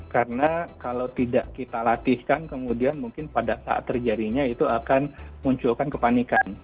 karena kalau tidak kita latihkan kemudian mungkin pada saat terjadinya itu akan munculkan kepanikan